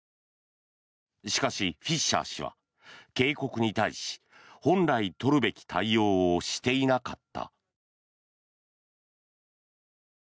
しかし、フィッシャー氏は警告に対し本来取るべき対応をしていなかった。